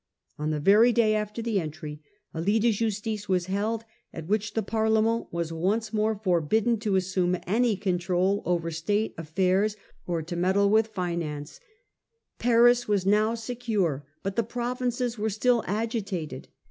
Q n t i ie very day after the entry a tit de justice was held, at which the Pariement was once again for bidden to assume any control over State affairs, or to meddle with finance. • 70 The Rebellion of CondS. 1653. Paris was now secure ; but the provinces were still agitated.